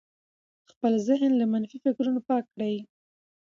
خپل ذهن له منفي فکرونو پاک کړئ.